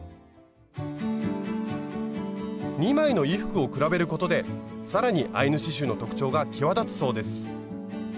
２枚の衣服を比べることで更にアイヌ刺しゅうの特徴が際立つそうです。